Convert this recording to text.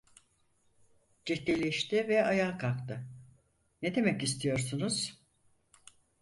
Ciddileşti ve ayağa kalktı. Ne demek istiyorsunuz?